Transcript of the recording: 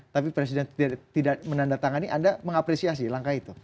tapi presiden tidak menandatangani anda mengapresiasi langkah itu